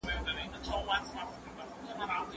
زه اوږده وخت کالي وچوم وم.